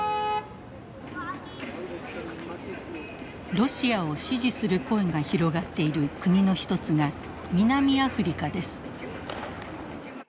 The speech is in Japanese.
ロシアを支持する声が広がっている国の一つが南アフリカです。